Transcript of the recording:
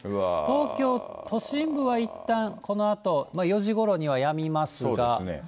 東京都心部はいったんこのあと、４時ごろにはやみますが。